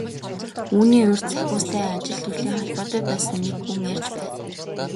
Үүний урьд Сахиустай ажил төрлийн холбоотой байсан нэг хүн ярьж байна.